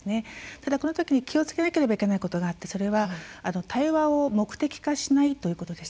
ただこの時に気をつけなければいけないことがあってそれは対話を目的化しないということです。